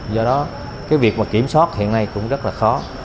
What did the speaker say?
do đó cái việc mà kiểm soát hiện nay cũng rất là khó